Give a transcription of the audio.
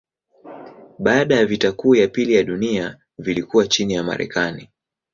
Baada ya vita kuu ya pili ya dunia vilikuwa chini ya Marekani.